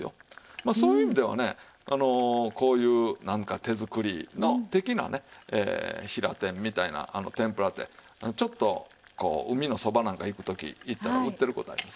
まあそういう意味ではねこういうなんか手作り的なねひら天みたいな天ぷらってちょっとこう海のそばなんか行く時行ったら売ってる事あります。